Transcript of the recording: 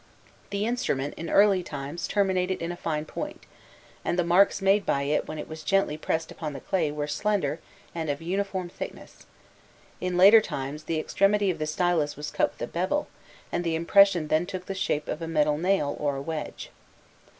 The instrument, in early times, terminated in a fine point, and the marks made by it when it was gently pressed upon the clay were slender and of uniform thickness; in later times, the extremity of the stylus was cut with a bevel, and the impression then took the shape of a metal nail or a wedge.